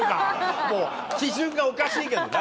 もう基準がおかしいけどな。